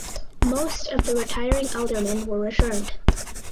Most of the retiring aldermen were returned.